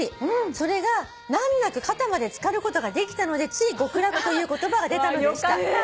それが難なく肩まで漬かることができたのでつい極楽という言葉が出たのでした」